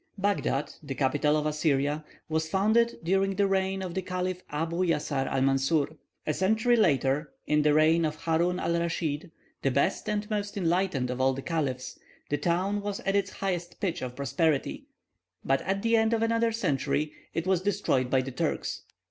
Baghdad, the capital of Assyria, was founded during the reign of the Caliph Abu Jasar Almansor. A century later, in the reign of Haroun al Raschid, the best and most enlightened of all the caliphs, the town was at its highest pitch of prosperity; but at the end of another century, it was destroyed by the Turks.